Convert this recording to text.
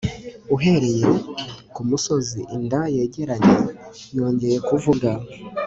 Uhereye kumusozi inda yegeranye yongeye kuvuga